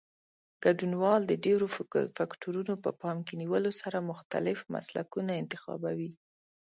ګډونوال د ډېرو فکټورونو په پام کې نیولو سره مختلف مسلکونه انتخابوي.